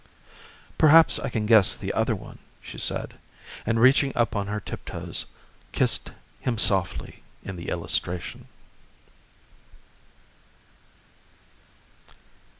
"Perhaps I can guess the other one," she said; and reaching up on her tiptoes she kissed him softly in the illustration.